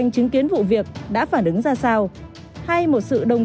chúng tôi ra hiện đại và hình ảnh rõ ràng